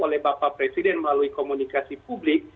oleh bapak presiden melalui komunikasi publik